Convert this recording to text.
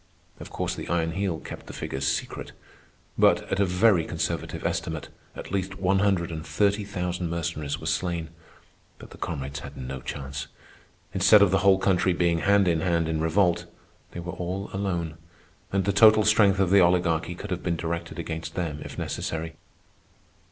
Of course, the Iron Heel kept the figures secret, but, at a very conservative estimate, at least one hundred and thirty thousand Mercenaries were slain. But the comrades had no chance. Instead of the whole country being hand in hand in revolt, they were all alone, and the total strength of the Oligarchy could have been directed against them if necessary.